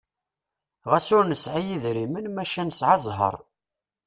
Ɣas ur nesɛi idrimen maca nesɛa zzheṛ!